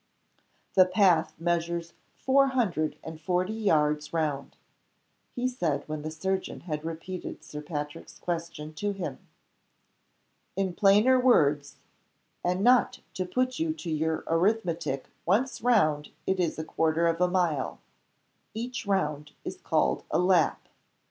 "The path measures four hundred and forty yards round," he said, when the surgeon had repeated Sir Patrick's question to him. "In plainer words, and not to put you to your arithmetic once round it is a quarter of a mile. Each round is called a 'Lap.